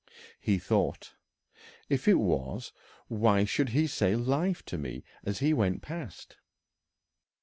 He thought. "If it was, why should he say 'life' to me as he went past?"